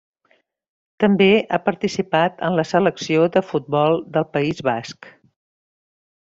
També ha participat en la selecció de futbol del País Basc.